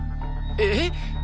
えっ！？